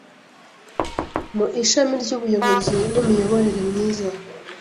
mu ishami ry’Ubuyobozi n’imiyoborere myiza